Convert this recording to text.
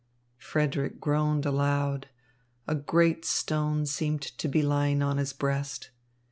Frederick groaned aloud. A great stone seemed to be lying on his breast.